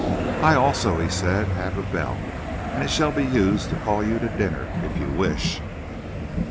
"I also," he said, "have a bell. And it shall be used to call you to dinner, if you wish."